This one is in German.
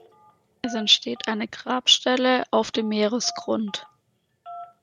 Es entsteht eine Grabstelle auf dem Meeresgrund.